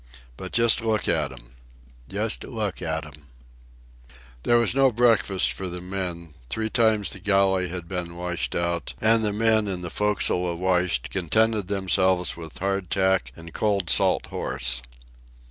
But just look at 'm! Just look at 'm!" There was no breakfast for the men. Three times the galley had been washed out, and the men, in the forecastle awash, contented themselves with hard tack and cold salt horse.